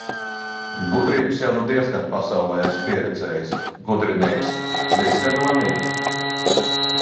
Gudrības jau nu diezgan pasaulē esi pieredzējies. Gudrinieks! Diezgan manīgs.